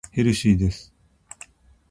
ヘルシーです。